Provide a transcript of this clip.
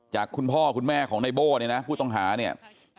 จากคุณพ่อคุณแม่ของในโบ้ผู้ต้องหาเนี่ย